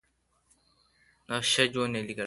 تی دی گوا گوا شجون۔